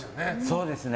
そうですね。